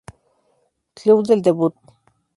Club del debut.